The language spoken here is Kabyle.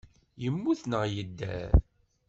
Yemmut neɣ yedder?